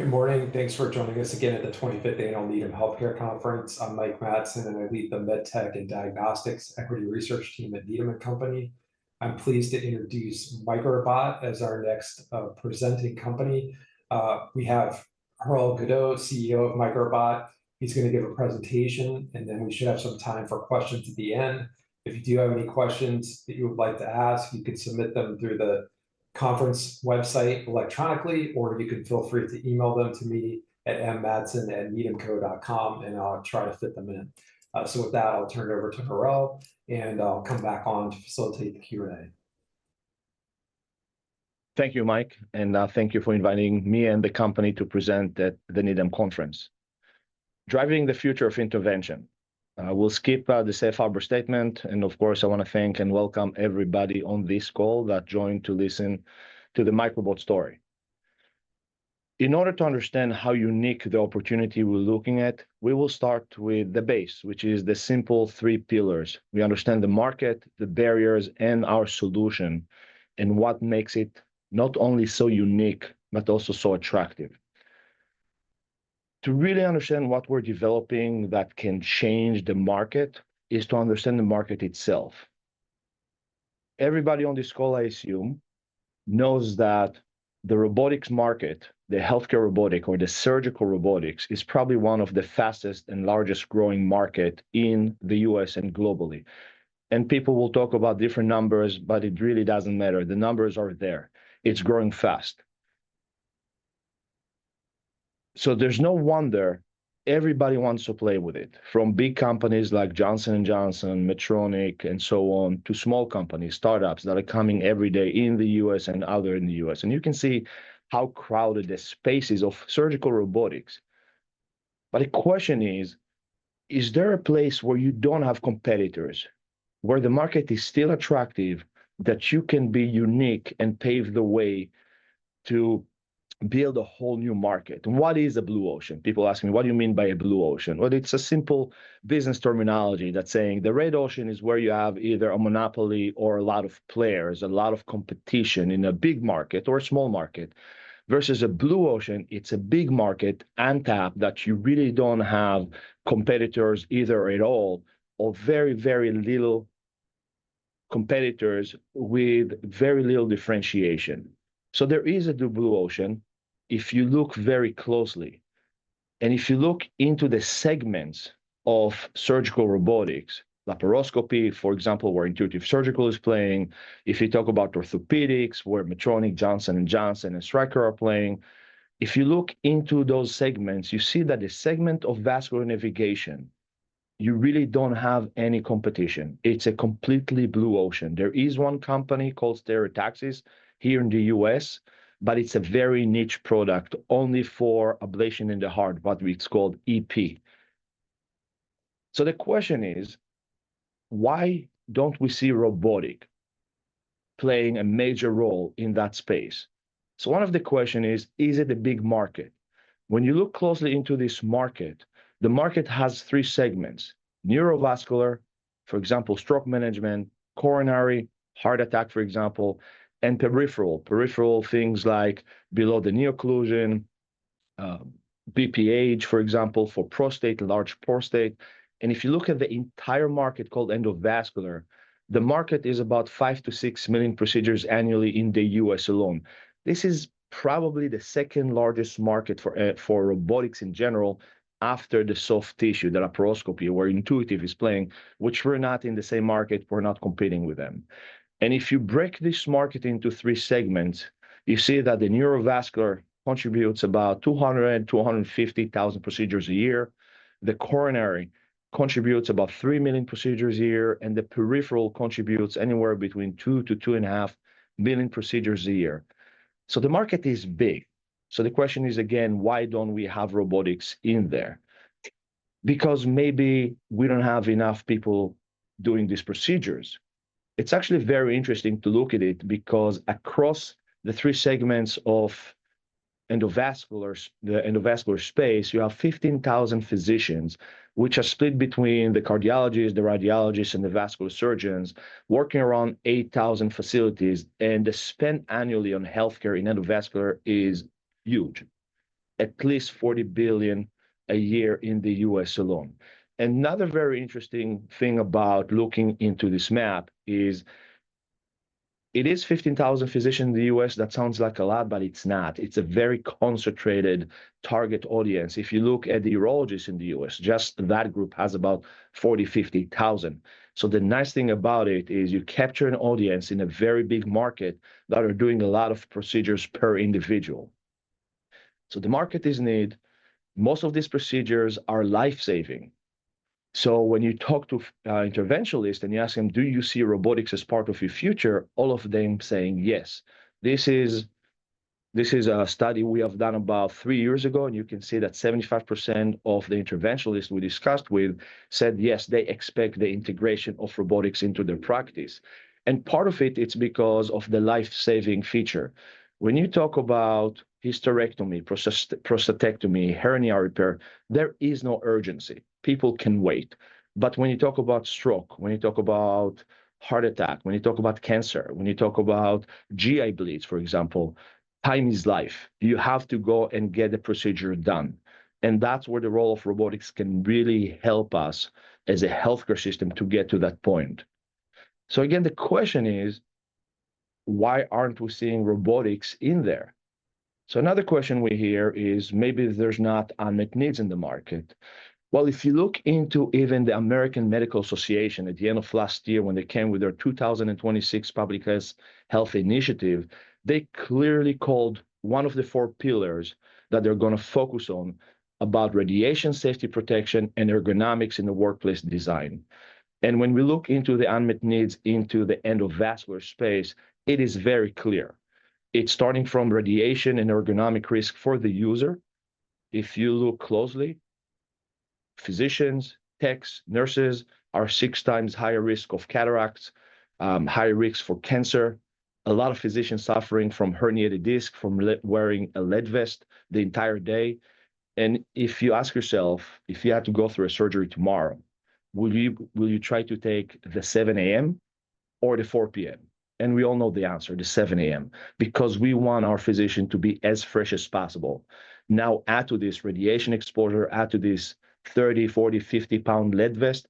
Good morning. Thanks for joining us again at the 25th Annual Needham Healthcare Conference. I'm Mike Matson, and I lead the MedTech and Diagnostics Equity Research team at Needham & Company. I'm pleased to introduce Microbot as our next presenting company. We have Harel Gadot, CEO of Microbot. He's going to give a presentation, and then we should have some time for questions at the end. If you do have any questions that you would like to ask, you can submit them through the conference website electronically, or you can feel free to email them to me at mmatson@needhamco.com and I'll try to fit them in. With that, I'll turn it over to Harel, and I'll come back on to facilitate the Q&A. Thank you, Mike, and thank you for inviting me and the company to present at the Needham Conference. Driving the Future of Intervention. We'll skip the safe harbor statement, and of course, I want to thank and welcome everybody on this call that joined to listen to the Microbot story. In order to understand how unique the opportunity we're looking at, we will start with the base, which is the simple three pillars. We understand the market, the barriers, and our solution, and what makes it not only so unique but also so attractive. To really understand what we're developing that can change the market is to understand the market itself. Everybody on this call, I assume, knows that the robotics market, the healthcare robotic or the surgical robotics, is probably one of the fastest and largest growing market in the U.S. and globally. People will talk about different numbers, but it really doesn't matter. The numbers are there. It's growing fast. There's no wonder everybody wants to play with it, from big companies like Johnson & Johnson, Medtronic, and so on, to small companies, startups that are coming every day in the U.S. and other than the U.S. You can see how crowded the space is of surgical robotics. The question is, ''Is there a place where you don't have competitors, where the market is still attractive, that you can be unique and pave the way to build a whole new market?'' What is a blue ocean? People ask me, "What do you mean by a blue ocean?" Well, it's a simple business terminology that's saying the red ocean is where you have either a monopoly or a lot of players, a lot of competition in a big market or a small market, versus a blue ocean, it's a big market, untapped, that you really don't have competitors either at all or very, very little competitors with very little differentiation. There is a blue ocean if you look very closely and if you look into the segments of surgical robotics, laparoscopy, for example, where Intuitive Surgical is playing. If you talk about orthopedics, where Medtronic, Johnson & Johnson, and Stryker are playing. If you look into those segments, you see that the segment of vascular intervention, you really don't have any competition. It's a completely blue ocean. There is one company called Stereotaxis here in the U.S., but it's a very niche product, only for ablation in the heart, what we called EP. The question is, Why don't we see robotic playing a major role in that space? One of the question is, ''Is it a big market?' When you look closely into this market, the market has three segments. Neurovascular, for example, stroke management. Coronary, heart attack, for example. And peripheral. Peripheral, things like below-the-knee occlusion, BPH, for example, for prostate, large prostate. If you look at the entire market called endovascular, the market is about 5 million-6 million procedures annually in the U.S. alone. This is probably the second-largest market for robotics in general after the soft tissue, the laparoscopy, where Intuitive is playing, which we're not in the same market, we're not competing with them. If you break this market into three segments, you see that the neurovascular contributes about 200,000-150,000 procedures a year. The coronary contributes about 3 million procedures a year, and the peripheral contributes anywhere between 2 million-2.5 million procedures a year. The market is big. The question is again, ''Why don't we have robotics in there?'' Because maybe we don't have enough people doing these procedures. It's actually very interesting to look at it because across the three segments of endovascular space, you have 15,000 physicians which are split between the cardiologists, the radiologists, and the vascular surgeons working around 8,000 facilities. The spend annually on healthcare in endovascular is huge. At least $40 billion a year in the U.S. alone. Another very interesting thing about looking into this map is it is 15,000 physicians in the U.S. That sounds like a lot, but it's not. It's a very concentrated target audience. If you look at the urologists in the U.S., just that group has about 40,000, 50,000. The nice thing about it is you capture an audience in a very big market that are doing a lot of procedures per individual. The market is need. Most of these procedures are life-saving, so when you talk to interventionalists and you ask them, "Do you see robotics as part of your future?" All of them saying, "Yes." This is a study we have done about three years ago, and you can see that 75% of the interventionalists we discussed with said yes, they expect the integration of robotics into their practice. And part of it's because of the life-saving feature. When you talk about hysterectomy, prostatectomy, hernia repair, there is no urgency. People can wait. When you talk about stroke, when you talk about heart attack, when you talk about cancer, when you talk about GI bleeds, for example, time is life. You have to go and get the procedure done, and that's where the role of robotics can really help us as a healthcare system to get to that point. Again, the question is: Why aren't we seeing robotics in there? Another question we hear is maybe there's not unmet needs in the market. Well, if you look into even the American Medical Association at the end of last year when they came with their 2026 Public Health Initiative, they clearly called one of the four pillars that they're going to focus on about radiation safety protection and ergonomics in the workplace design. And when we look into the unmet needs into the endovascular space, it is very clear. It's starting from radiation and ergonomic risk for the user. If you look closely, physicians, techs, nurses are six times higher risk of cataracts, higher risks for cancer. A lot of physicians suffering from herniated disc from wearing a lead vest the entire day. If you ask yourself, if you had to go through a surgery tomorrow, will you try to take the 7:00 A.M. or the 4:00 P.M.? We all know the answer, the 7:00 A.M., because we want our physician to be as fresh as possible. Add to this radiation exposure, add to this 30, 40, 50-pound lead vest,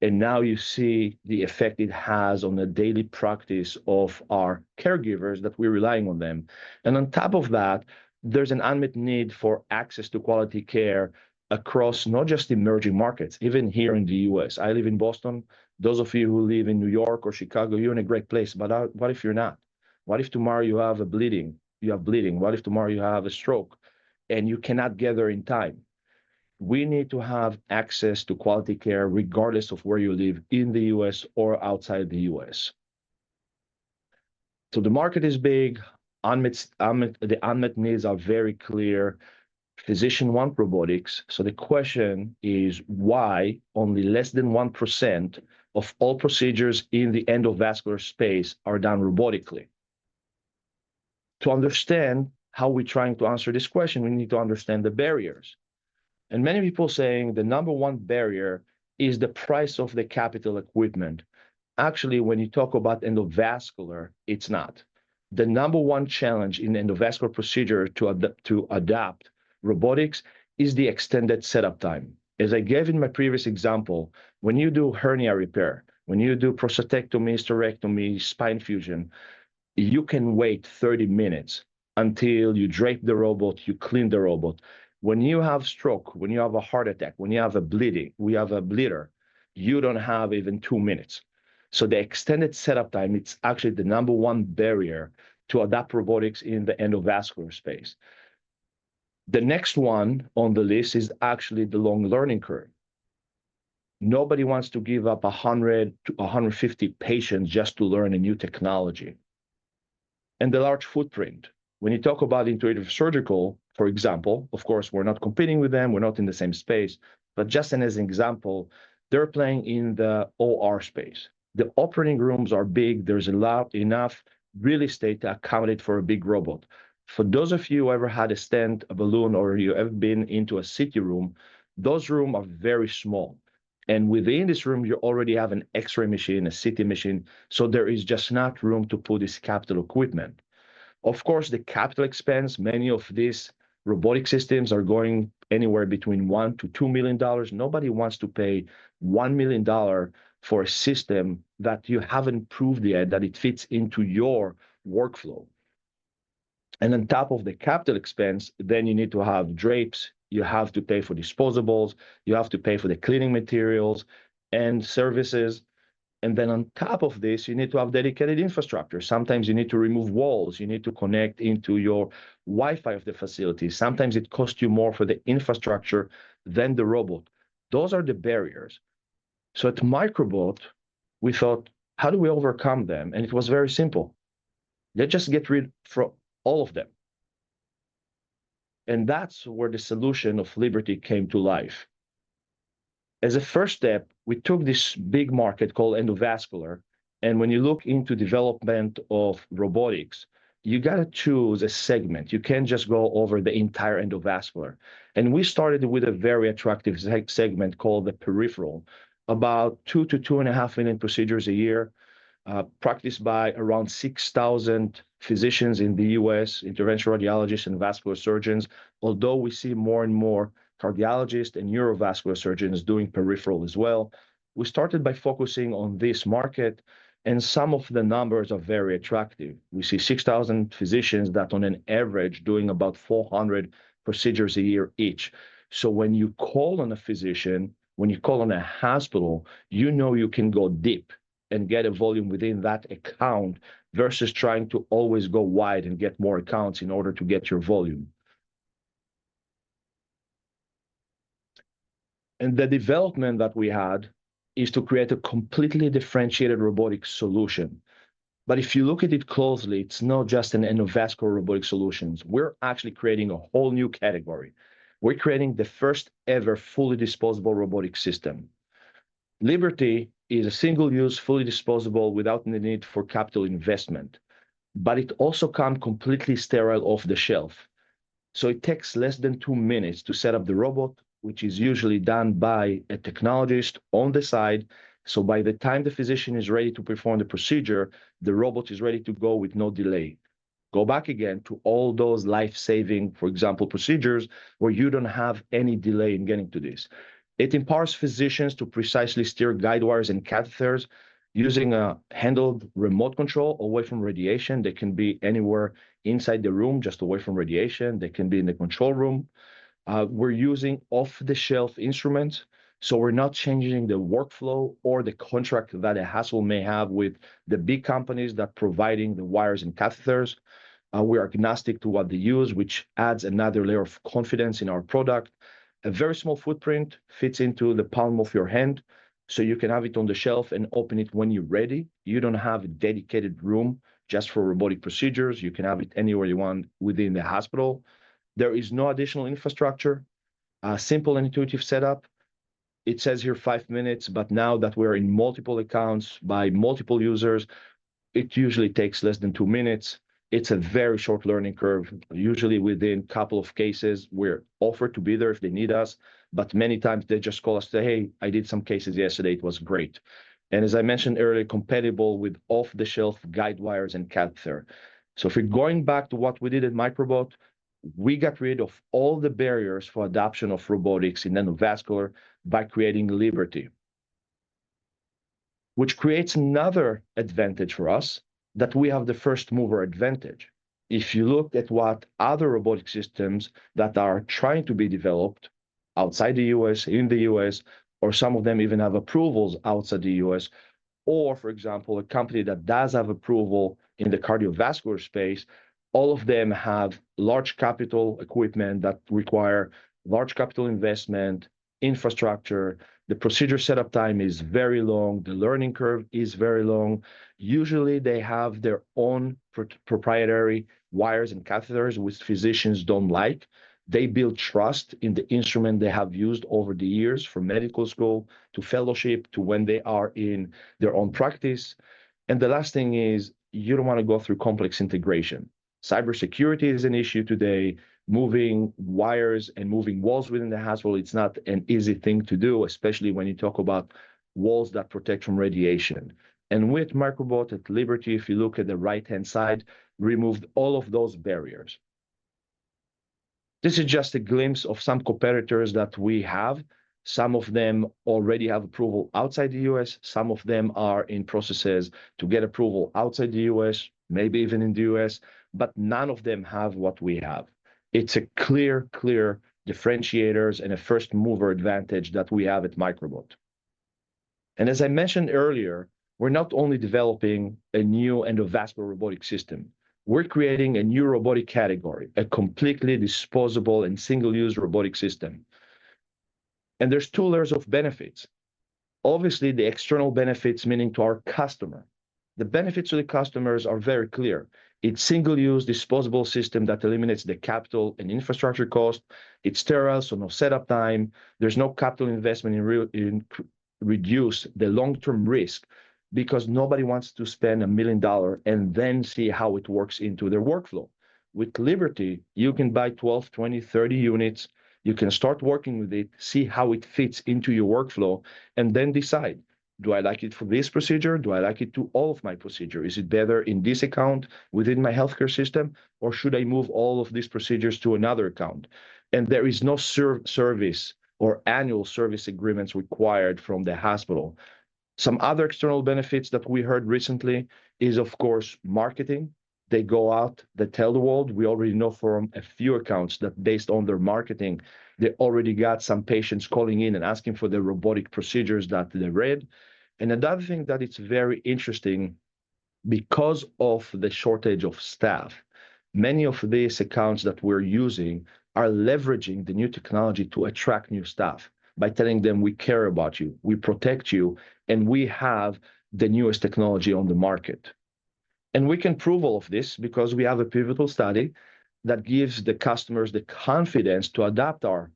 and now you see the effect it has on the daily practice of our caregivers that we're relying on them. On top of that, there's an unmet need for access to quality care across not just emerging markets, even here in the U.S. I live in Boston. Those of you who live in New York or Chicago, you're in a great place. What if you're not? What if tomorrow you have bleeding? What if tomorrow you have a stroke and you cannot get there in time? We need to have access to quality care regardless of where you live in the U.S. or outside the U.S. The market is big. The unmet needs are very clear. Physicians want robotics, the question is why only less than 1% of all procedures in the endovascular space are done robotically. To understand how we're trying to answer this question, we need to understand the barriers. Many people saying the number one barrier is the price of the capital equipment. Actually, when you talk about endovascular, it's not. The number one challenge in endovascular procedure to adapt robotics is the extended setup time. As I gave in my previous example, when you do hernia repair, when you do prostatectomies, hysterectomy, spine fusion, you can wait 30 minutes until you drape the robot, you clean the robot. When you have stroke, when you have a heart attack, when you have a bleeding, we have a bleeder, you don't have even two minutes. The extended setup time, it's actually the number one barrier to adapt robotics in the endovascular space. The next one on the list is actually the long learning curve. Nobody wants to give up 100-150 patients just to learn a new technology. The large footprint. When you talk about Intuitive Surgical, for example, of course, we're not competing with them, we're not in the same space, but just as an example, they're playing in the OR space. The operating rooms are big. There's enough real estate to accommodate for a big robot. For those of you who ever had a stent, a balloon, or you have been into a CT room, those room are very small. Within this room, you already have an X-ray machine, a CT machine, there is just not room to put this capital equipment. The capital expense, many of these robotic systems are going anywhere between $1 million-$2 million. Nobody wants to pay $1 million for a system that you haven't proved yet that it fits into your workflow. On top of the capital expense, then you need to have drapes, you have to pay for disposables, you have to pay for the cleaning materials and services, on top of this, you need to have dedicated infrastructure. Sometimes you need to remove walls. You need to connect into your Wi-Fi of the facility. Sometimes it costs you more for the infrastructure than the robot. Those are the barriers. At Microbot, we thought, how do we overcome them? It was very simple. Let's just get rid for all of them. That's where the solution of LIBERTY came to life. As a first step, we took this big market called endovascular. When you look into development of robotics, you got to choose a segment. You can't just go over the entire endovascular. We started with a very attractive segment called the peripheral. About 2-2.5 million procedures a year, practiced by around 6,000 physicians in the U.S., interventional radiologists, and vascular surgeons, although we see more and more cardiologists and neurovascular surgeons doing peripheral as well. We started by focusing on this market. Some of the numbers are very attractive. We see 6,000 physicians that on an average doing about 400 procedures a year each. When you call on a physician, when you call on a hospital, you know you can go deep and get a volume within that account versus trying to always go wide and get more accounts in order to get your volume. The development that we had is to create a completely differentiated robotic solution. If you look at it closely, it's not just an endovascular robotic solutions. We're actually creating a whole new category. We're creating the first ever fully disposable robotic system. LIBERTY is a single-use, fully disposable without the need for capital investment. It also comes completely sterile off the shelf. It takes less than two minutes to set up the robot, which is usually done by a technologist on the side. By the time the physician is ready to perform the procedure, the robot is ready to go with no delay. Go back again to all those life-saving, for example, procedures where you don't have any delay in getting to this. It empowers physicians to precisely steer guide wires and catheters using a handled remote control away from radiation. They can be anywhere inside the room, just away from radiation. They can be in the control room. We're using off-the-shelf instruments. We're not changing the workflow or the contract that a hospital may have with the big companies that providing the wires and catheters. We are agnostic to what they use, which adds another layer of confidence in our product. A very small footprint fits into the palm of your hand. You can have it on the shelf and open it when you're ready. You don't have a dedicated room just for robotic procedures. You can have it anywhere you want within the hospital. There is no additional infrastructure. A simple intuitive setup. It says here five minutes, but now that we're in multiple accounts by multiple users, it usually takes less than two minutes. It's a very short learning curve. Usually, within couple of cases, we're offered to be there if they need us, but many times they just call us, say, "Hey, I did some cases yesterday. It was great." As I mentioned earlier, compatible with off-the-shelf guide wires and catheter. If we're going back to what we did at Microbot, we got rid of all the barriers for adoption of robotics in endovascular by creating LIBERTY, which creates another advantage for us that we have the first-mover advantage. If you looked at what other robotic systems that are trying to be developed outside the U.S., in the U.S., or some of them even have approvals outside the U.S., or for example, a company that does have approval in the cardiovascular space, all of them have large capital equipment that require large capital investment, infrastructure. The procedure setup time is very long. The learning curve is very long. Usually, they have their own proprietary wires and catheters, which physicians don't like. They build trust in the instrument they have used over the years, from medical school to fellowship to when they are in their own practice. The last thing is you don't want to go through complex integration. Cybersecurity is an issue today. Moving wires and moving walls within the hospital, it's not an easy thing to do, especially when you talk about walls that protect from radiation. With Microbot at LIBERTY, if you look at the right-hand side, removed all of those barriers. This is just a glimpse of some competitors that we have. Some of them already have approval outside the U.S., some of them are in processes to get approval outside the U.S., maybe even in the U.S., but none of them have what we have. It's a clear differentiators and a first-mover advantage that we have at Microbot. As I mentioned earlier, we're not only developing a new endovascular robotic system, we're creating a new robotic category, a completely disposable and single-use robotic system. There's two layers of benefits. Obviously, the external benefits, meaning to our customer. The benefits to the customers are very clear. It's single-use disposable system that eliminates the capital and infrastructure cost. It's sterile, so no setup time. There's no capital investment and reduce the long-term risk because nobody wants to spend $1 million and then see how it works into their workflow. With LIBERTY, you can buy 12, 20, 30 units. You can start working with it, see how it fits into your workflow, and then decide, do I like it for this procedure? Do I like it to all of my procedure? Is it better in this account within my healthcare system, or should I move all of these procedures to another account? There is no service or annual service agreements required from the hospital. Some other external benefits that we heard recently is, of course, marketing. They go out, they tell the world. We already know from a few accounts that based on their marketing, they already got some patients calling in and asking for the robotic procedures that they read. Another thing that it's very interesting, because of the shortage of staff, many of these accounts that we're using are leveraging the new technology to attract new staff by telling them, we care about you, we protect you, and we have the newest technology on the market. We can prove all of this because we have a pivotal study that gives the customers the confidence to adopt our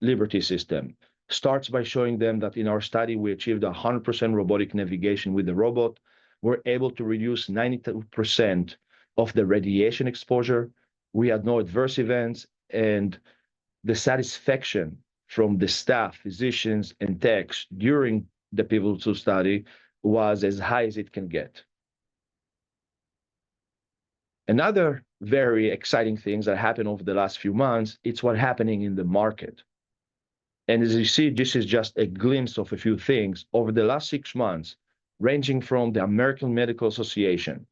LIBERTY system. Starts by showing them that in our study, we achieved 100% robotic navigation with the robot. We're able to reduce 92% of the radiation exposure. We had no adverse events, and the satisfaction from the staff, physicians, and techs during the pivotal study was as high as it can get. Another very exciting things that happened over the last few months, it's what happening in the market. As you see, this is just a glimpse of a few things over the last six months, ranging from the American Medical Association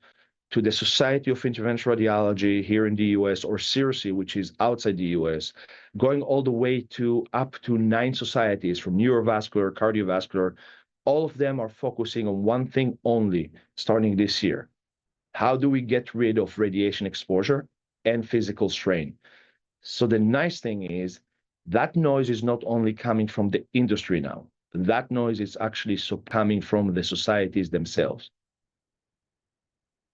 to the Society of Interventional Radiology here in the U.S. or CIRSE, which is outside the U.S., going all the way to up to nine societies from neurovascular, cardiovascular. All of them are focusing on one thing only starting this year. How do we get rid of radiation exposure and physical strain? The nice thing is that noise is not only coming from the industry now, that noise is actually coming from the societies themselves.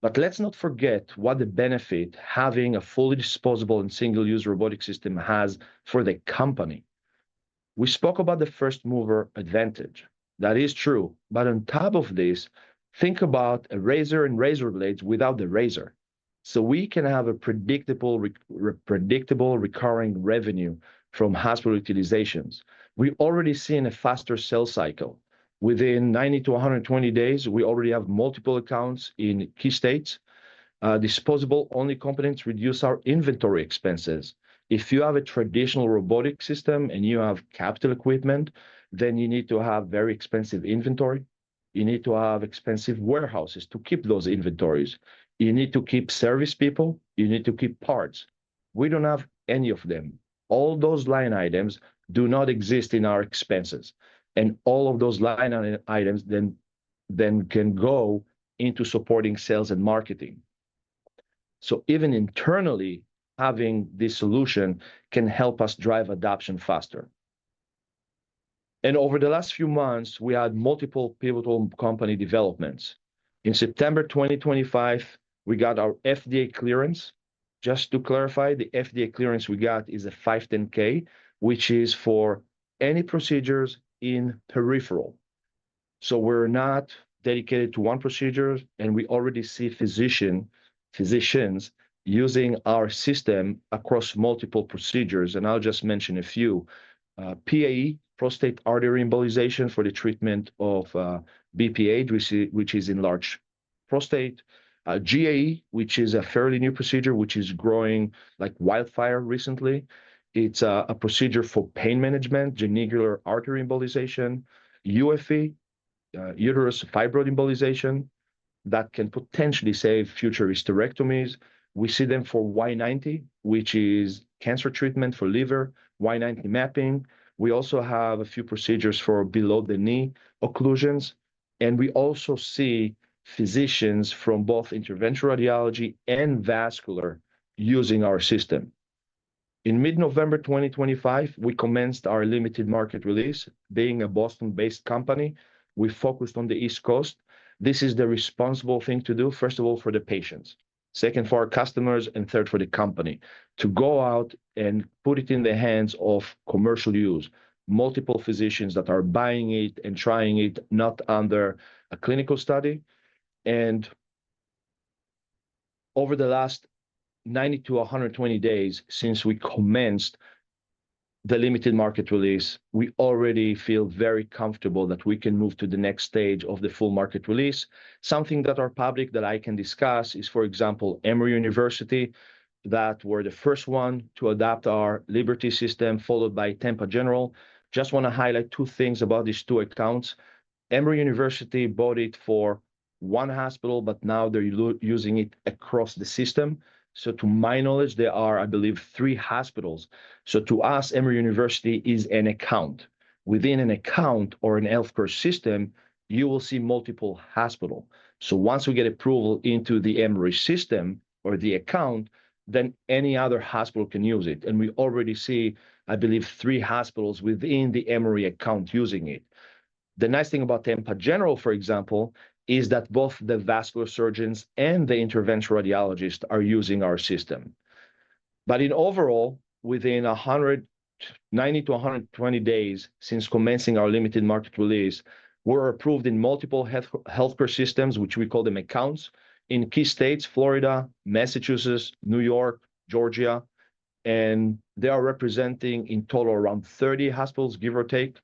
Let's not forget what the benefit having a fully disposable and single-use robotic system has for the company. We spoke about the first-mover advantage. That is true, but on top of this, think about a razor and razor blades without the razor. We can have a predictable recurring revenue from hospital utilizations. We're already seeing a faster sales cycle. Within 90-120 days, we already have multiple accounts in key states. Disposable-only components reduce our inventory expenses. If you have a traditional robotic system and you have capital equipment, then you need to have very expensive inventory, you need to have expensive warehouses to keep those inventories, you need to keep service people, you need to keep parts. We don't have any of them. All those line items do not exist in our expenses, and all of those line items then can go into supporting sales and marketing. Even internally, having this solution can help us drive adoption faster. Over the last few months, we had multiple pivotal company developments. In September 2025, we got our FDA clearance. Just to clarify, the FDA clearance we got is a 510(k), which is for any procedures in peripheral. We're not dedicated to one procedure, and we already see physicians using our system across multiple procedures, and I'll just mention a few. PAE, prostate artery embolization, for the treatment of BPH, which is enlarged prostate. GAE, which is a fairly new procedure, which is growing like wildfire recently. It's a procedure for pain management, genicular artery embolization. UFE, uterus fibroid embolization, that can potentially save future hysterectomies. We see them for Y90, which is cancer treatment for liver, Y90 mapping. We also have a few procedures for below-the-knee occlusions, and we also see physicians from both interventional radiology and vascular using our system. In mid-November 2025, we commenced our limited market release. Being a Boston-based company, we focused on the East Coast. This is the responsible thing to do, first of all, for the patients, second for our customers, and third for the company, to go out and put it in the hands of commercial use, multiple physicians that are buying it and trying it, not under a clinical study. Over the last 90-120 days since we commenced the limited market release, we already feel very comfortable that we can move to the next stage of the full market release. Something that are public that I can discuss is, for example, Emory University, that were the first one to adopt our LIBERTY system, followed by Tampa General Hospital. Just want to highlight two things about these two accounts. Emory University bought it for one hospital, but now they're using it across the system. To my knowledge, there are, I believe, three hospitals. To us, Emory University is an account. Within an account or a healthcare system, you will see multiple hospitals. Once we get approval into the Emory system or the account, any other hospital can use it, and we already see, I believe, three hospitals within the Emory account using it. The nice thing about Tampa General, for example, is that both the vascular surgeons and the interventional radiologists are using our system. Overall, within 90-120 days since commencing our limited market release, we're approved in multiple healthcare systems, which we call them accounts, in key states, Florida, Massachusetts, New York, Georgia, and they are representing in total around 30 hospitals, give or take.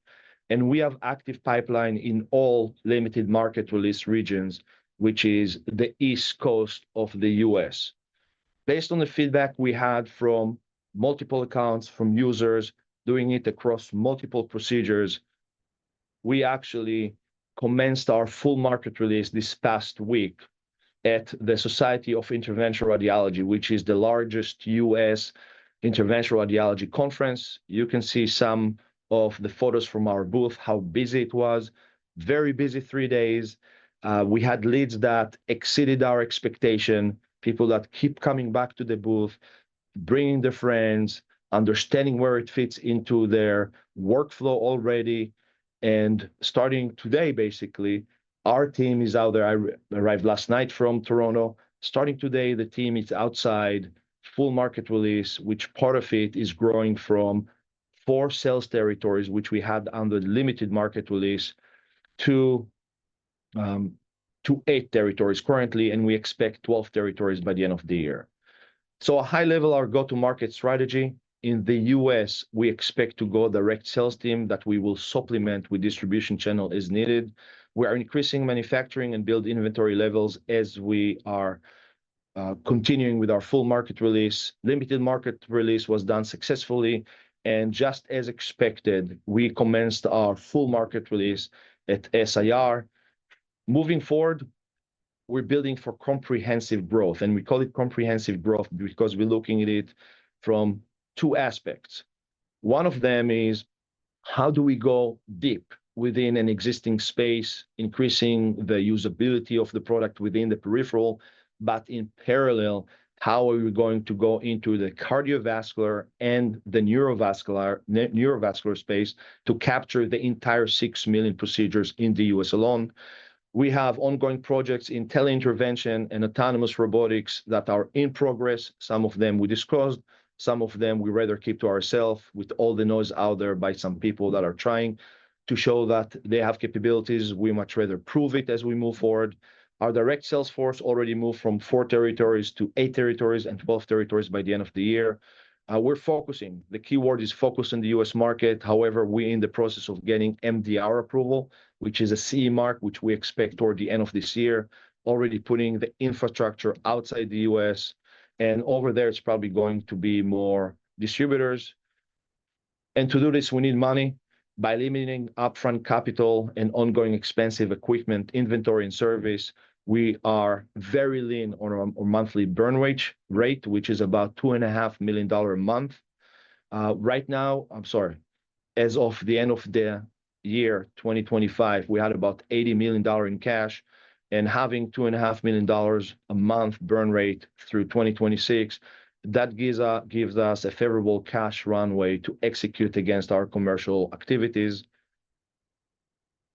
We have active pipeline in all limited market release regions, which is the East Coast of the U.S. Based on the feedback we had from multiple accounts, from users doing it across multiple procedures, we actually commenced our full market release this past week at the Society of Interventional Radiology, which is the largest U.S. interventional radiology conference. You can see some of the photos from our booth, how busy it was. Very busy three days. We had leads that exceeded our expectation, people that keep coming back to the booth, bringing their friends, understanding where it fits into their workflow already. Starting today, basically, our team is out there. I arrived last night from Toronto. Starting today, the team is outside, full market release, which part of it is growing from four sales territories, which we had under limited market release, to eight territories currently, and we expect 12 territories by the end of the year. A high level, our go-to-market strategy. In the U.S., we expect to go direct sales team that we will supplement with distribution channel as needed. We are increasing manufacturing and build inventory levels as we are continuing with our full market release. Limited market release was done successfully, and just as expected, we commenced our full market release at SIR. Moving forward, we're building for comprehensive growth, and we call it comprehensive growth because we're looking at it from two aspects. One of them is how do we go deep within an existing space, increasing the usability of the product within the peripheral, in parallel, how are we going to go into the cardiovascular and the neurovascular space to capture the entire 6 million procedures in the U.S. alone? We have ongoing projects in tele-intervention and autonomous robotics that are in progress. Some of them we discussed, some of them we rather keep to ourselves. With all the noise out there by some people that are trying to show that they have capabilities, we much rather prove it as we move forward. Our direct sales force already moved from four territories to eight territories, and 12 territories by the end of the year. We're focusing, the keyword is focusing the U.S. market. However, we are in the process of getting MDR approval, which is a CE mark, which we expect toward the end of this year. Already putting the infrastructure outside the U.S., and over there, it is probably going to be more distributors. To do this, we need money. By limiting upfront capital and ongoing expensive equipment inventory and service, we are very lean on our monthly burn rate, which is about $2.5 million a month. As of the end of the year 2025, we had about $80 million in cash, and having $2.5 million a month burn rate through 2026, that gives us a favorable cash runway to execute against our commercial activities.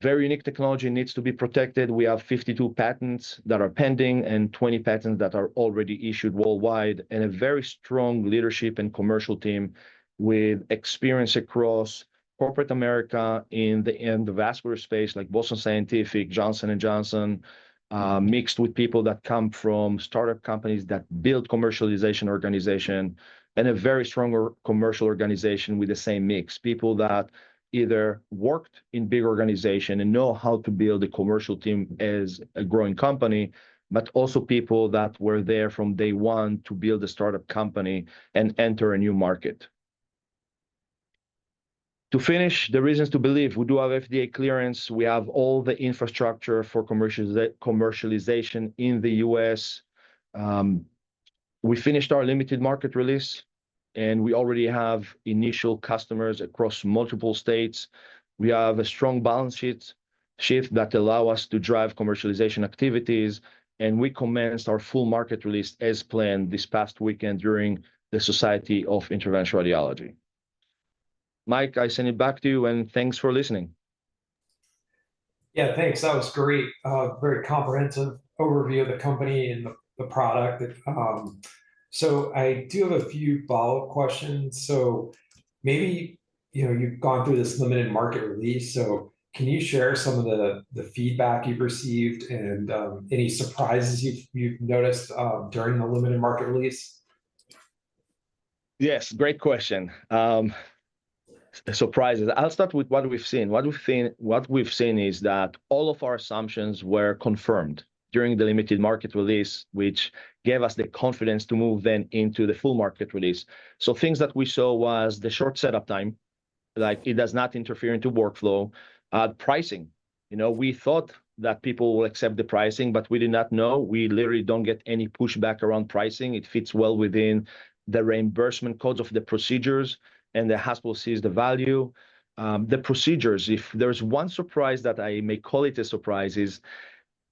Very unique technology needs to be protected. We have 52 patents that are pending and 20 patents that are already issued worldwide, and a very strong leadership and commercial team with experience across corporate America in the vascular space, like Boston Scientific, Johnson & Johnson, mixed with people that come from startup companies that build commercialization organization, and a very strong commercial organization with the same mix. People that either worked in big organization and know how to build a commercial team as a growing company, but also people that were there from day one to build a startup company and enter a new market. To finish, the reasons to believe, we do have FDA clearance, we have all the infrastructure for commercialization in the U.S. We finished our limited market release, and we already have initial customers across multiple states. We have a strong balance sheet that allow us to drive commercialization activities, and we commenced our full market release as planned this past weekend during the Society of Interventional Radiology. Mike, I send it back to you, and thanks for listening. Yeah, thanks. That was great. A very comprehensive overview of the company and the product. I do have a few follow-up questions. Maybe you have gone through this limited market release, so can you share some of the feedback you have received and any surprises you have noticed during the limited market release? Yes, great question. Surprises. I'll start with what we've seen. What we've seen is that all of our assumptions were confirmed during the limited market release, which gave us the confidence to move then into the full market release. Things that we saw was the short setup time, like it does not interfere into workflow. Pricing, we thought that people will accept the pricing, but we did not know. We literally don't get any pushback around pricing. It fits well within the reimbursement codes of the procedures, and the hospital sees the value. The procedures, if there's one surprise that I may call it a surprise, is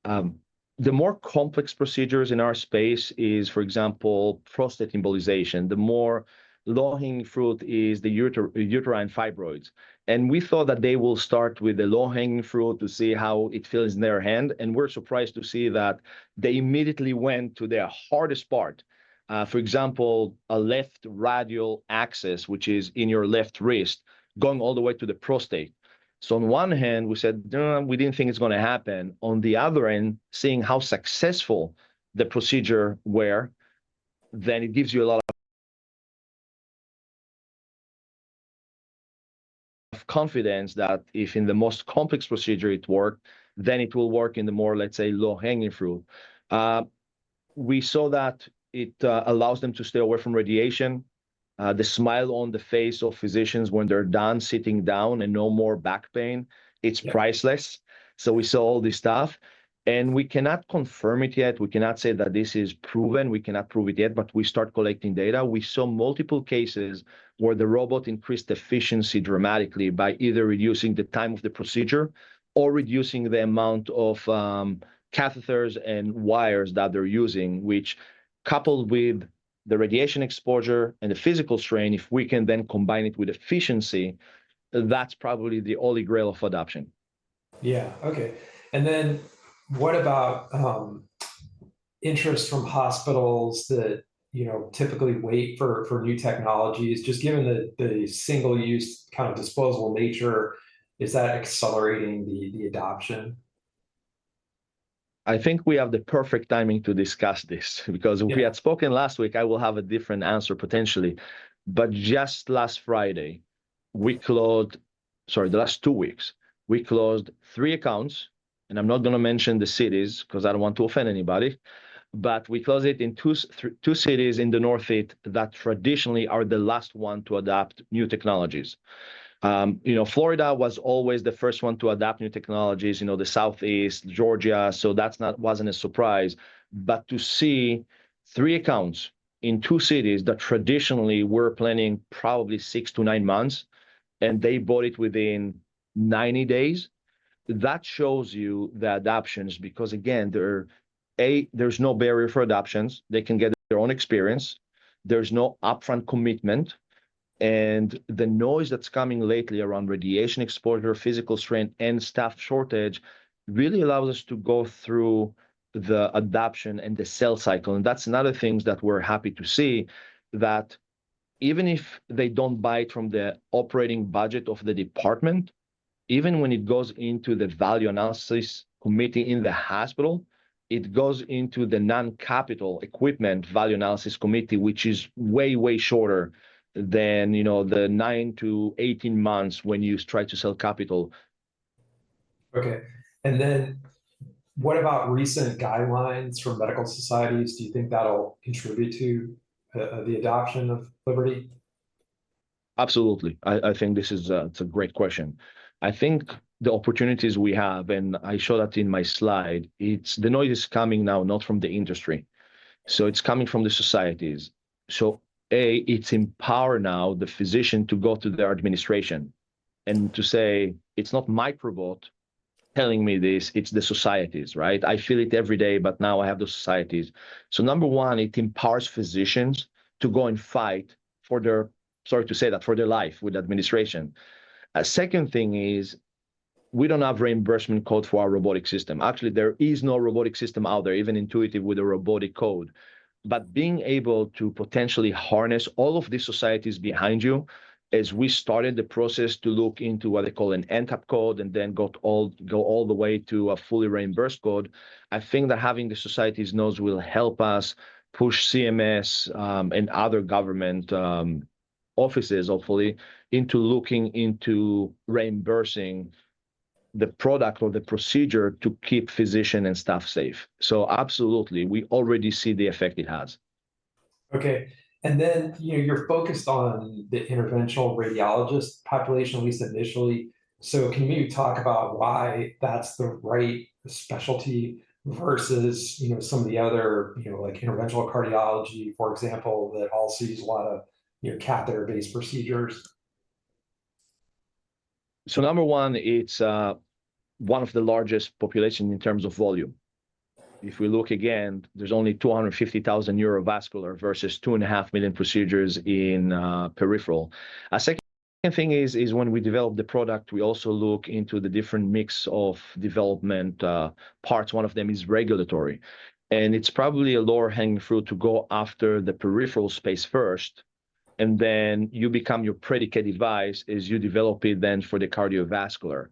the more complex procedures in our space is, for example, prostate embolization. The more low-hanging fruit is the uterine fibroids. We thought that they will start with the low-hanging fruit to see how it feels in their hand, and we're surprised to see that they immediately went to their hardest part. For example, a left radial access, which is in your left wrist, going all the way to the prostate. On one hand, we said, "No, we didn't think it's going to happen." On the other end, seeing how successful the procedure were, it gives you a lot of confidence that if in the most complex procedure it worked, then it will work in the more, let's say, low-hanging fruit. We saw that it allows them to stay away from radiation. The smile on the face of physicians when they're done sitting down and no more back pain, it's priceless. We saw all this stuff, and we cannot confirm it yet, we cannot say that this is proven, we cannot prove it yet, but we start collecting data. We saw multiple cases where the robot increased efficiency dramatically by either reducing the time of the procedure or reducing the amount of catheters and wires that they're using, which coupled with the radiation exposure and the physical strain, if we can then combine it with efficiency, that's probably the holy grail of adoption. Yeah. Okay. What about interest from hospitals that typically wait for new technologies, just given the single-use kind of disposable nature, is that accelerating the adoption? I think we have the perfect timing to discuss this, because if we had spoken last week, I will have a different answer, potentially. Just last Friday, the last two weeks, we closed three accounts, and I'm not going to mention the cities because I don't want to offend anybody. We closed it in two cities in the Northeast that traditionally are the last one to adopt new technologies. Florida was always the first one to adopt new technologies, the Southeast, Georgia, so that wasn't a surprise. To see three accounts in two cities that traditionally were planning probably six to nine months, and they bought it within 90 days, that shows you the adoptions, because again, A, there's no barrier for adoptions. They can get their own experience. There's no upfront commitment. The noise that's coming lately around radiation exposure, physical strain, and staff shortage really allows us to go through the adoption and the sale cycle, and that's another thing that we're happy to see that. Even if they don't buy it from the operating budget of the department, even when it goes into the value analysis committee in the hospital, it goes into the non-capital equipment value analysis committee, which is way shorter than the 9-18 months when you try to sell capital. Okay. What about recent guidelines from medical societies? Do you think that'll contribute to the adoption of LIBERTY? Absolutely. I think this is a great question. I think the opportunities we have, and I show that in my slide, the noise is coming now, not from the industry. It's coming from the societies. A, it's empower now the physician to go to their administration and to say, "It's not Microbot telling me this, it's the societies." Right? I feel it every day, but now I have the societies. Number one, it empowers physicians to go and fight for their, sorry to say that, for their life with administration. A second thing is we don't have reimbursement code for our robotic system. Actually, there is no robotic system out there, even Intuitive, with a robotic code. Being able to potentially harness all of the societies behind you, as we started the process to look into what they call an NTAP code and then go all the way to a fully reimbursed code, I think that having the societies knows will help us push CMS, and other government offices, hopefully, into looking into reimbursing the product or the procedure to keep physician and staff safe. Absolutely, we already see the effect it has. Okay. Then you're focused on the interventional radiologist population, at least initially. Can you talk about why that's the right specialty versus some of the other, like interventional cardiology, for example, that also uses a lot of catheter-based procedures? Number one, it's one of the largest population in terms of volume. If we look again, there's only 250,000 neurovascular versus 2.5 million procedures in peripheral. A second thing is, when we develop the product, we also look into the different mix of development parts. One of them is regulatory, it's probably a lower hanging fruit to go after the peripheral space first, then you become your predicate device as you develop it then for the cardiovascular.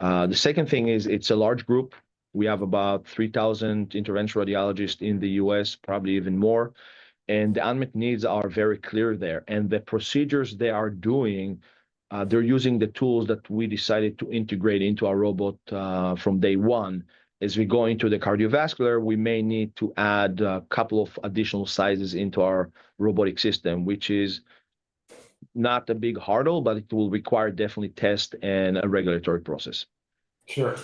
The second thing is it's a large group. We have about 3,000 interventional radiologists in the U.S., probably even more, the unmet needs are very clear there. The procedures they are doing, they're using the tools that we decided to integrate into our robot from day one. As we go into the cardiovascular, we may need to add a couple of additional sizes into our robotic system, which is not a big hurdle, it will require definitely test and a regulatory process. Sure.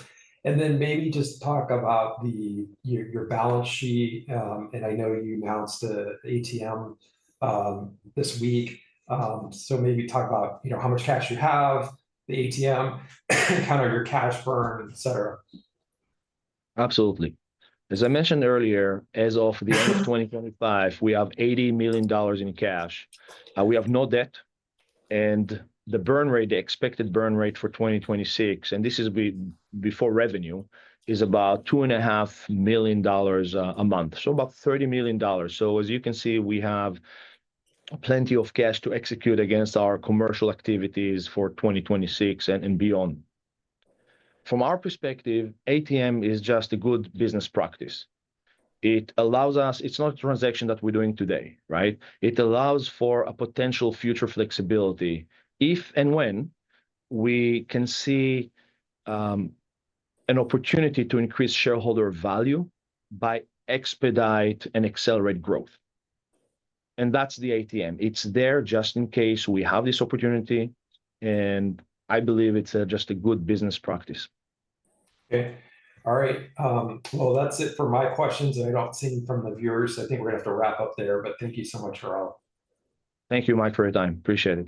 Then maybe just talk about your balance sheet. I know you announced the ATM this week, so maybe talk about how much cash you have, the ATM, kind of your cash burn, et cetera. Absolutely. As I mentioned earlier, as of the end of 2025, we have $80 million in cash. We have no debt. The burn rate, the expected burn rate for 2026, and this is before revenue, is about $2.5 million a month. About $30 million. As you can see, we have plenty of cash to execute against our commercial activities for 2026 and beyond. From our perspective, ATM is just a good business practice. It's not a transaction that we're doing today, right? It allows for a potential future flexibility if and when we can see an opportunity to increase shareholder value by expedite and accelerate growth. That's the ATM. It's there just in case we have this opportunity. I believe it's just a good business practice. Okay. All right. Well, that's it for my questions. I don't see any from the viewers. I think we're going to have to wrap up there. Thank you so much, Harel. Thank you, Mike, for your time. Appreciate it.